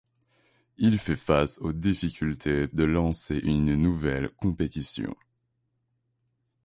Il fait face aux difficultés de lancer une nouvelle compétition.